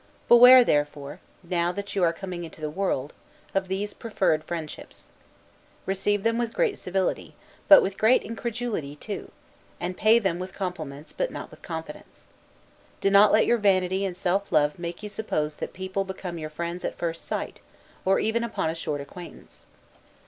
Beware, therefore, now that you are coming into the world, of these preferred friendships. Receive them with great civility, but with great incredulity too; and pay them with compliments, but not with confidence. Do not let your vanity and self love make you suppose that people become your friends at first sight, or even upon a short acquaintance.